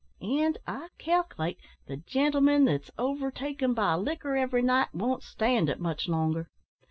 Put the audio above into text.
And I calc'late the gentlemen that's overtaken by liquor every night won't stand it much longer.